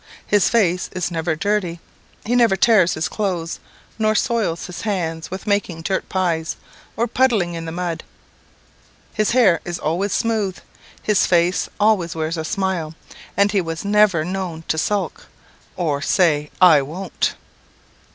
His face is never dirty; he never tears his clothes, nor soils his hands with making dirt pies, or puddling in the mud. His hair is always smooth, his face always wears a smile, and he was never known to sulk, or say _I won't!